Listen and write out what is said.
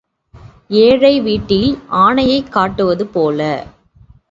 ஏழை வீட்டில் ஆனையைக் கட்டுவது போல.